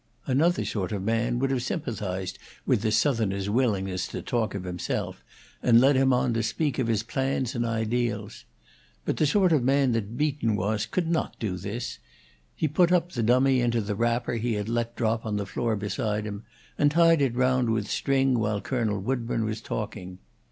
Another sort of man would have sympathized with the Southerner's willingness to talk of himself, and led him on to speak of his plans and ideals. But the sort of man that Beaton was could not do this; he put up the dummy into the wrapper he had let drop on the floor beside him, and tied it round with string while Colonel Woodburn was talking.